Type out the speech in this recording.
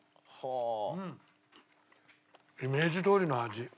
イメージどおりの味。